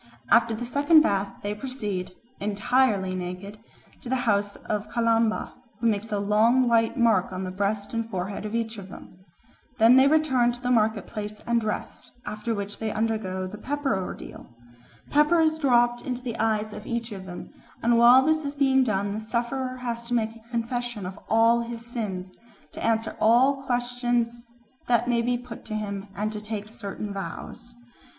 After the second bath they proceed, entirely naked, to the house of Kalamba, who makes a long white mark on the breast and forehead of each of them. Then they return to the market place and dress, after which they undergo the pepper ordeal. Pepper is dropped into the eyes of each of them, and while this is being done the sufferer has to make a confession of all his sins, to answer all questions that may be put to him, and to take certain vows.